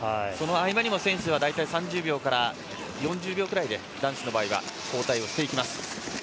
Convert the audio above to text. その合間にも選手は大体３０秒から４０秒くらいで男子の場合は交代をしていきます。